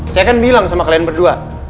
saya kan bilang sama kalian berdua